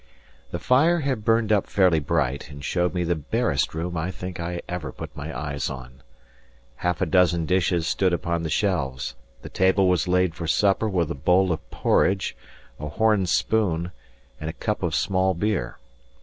The fire had burned up fairly bright, and showed me the barest room I think I ever put my eyes on. Half a dozen dishes stood upon the shelves; the table was laid for supper with a bowl of porridge, a horn spoon, and a cup of small beer.